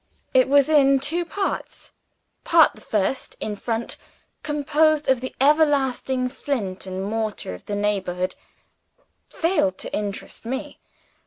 It was in Two Parts. Part the First, in front, composed of the everlasting flint and mortar of the neighborhood, failed to interest me.